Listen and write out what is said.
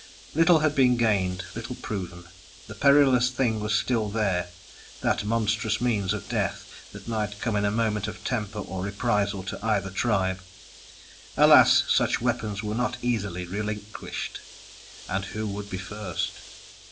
Little had been gained, little proven; the perilous thing was still there, that monstrous means of death that might come in a moment of temper or reprisal to either tribe. Alas, such weapons were not easily relinquished and who would be first?